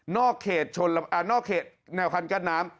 นอกเขตแนวคันกั้นน้ำ